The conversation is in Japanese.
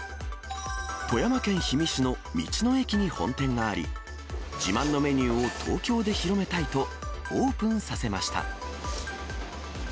富山県氷見市の道の駅に本店があり、自慢のメニューを東京で広めたいと、オープンさせました。